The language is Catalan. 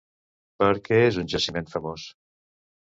Per què és un jaciment famós?